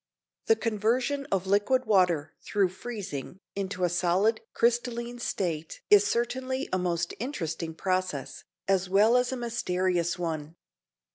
] The conversion of liquid water through freezing into a solid crystalline state is certainly a most interesting process, as well as a mysterious one.